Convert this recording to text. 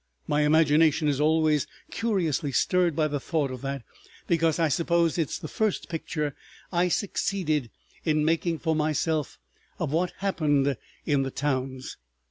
My imagination is always curiously stirred by the thought of that, because I suppose it is the first picture I succeeded in making for myself of what had happened in the towns.